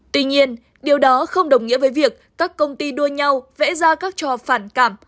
tuy nhiên điều đó không đồng nghĩa với việc các công ty đua nhau vẽ ra các trò phản cảm